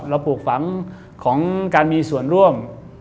ปลูกฝังของการมีส่วนร่วม